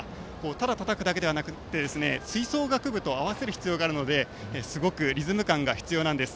ただ、たたくだけではなくて吹奏楽部と合わせる必要があるのですごくリズム感が必要なんです。